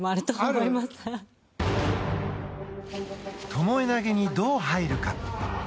ともえ投げにどう入るか。